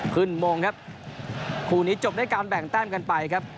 โมงครับคู่นี้จบด้วยการแบ่งแต้มกันไปครับ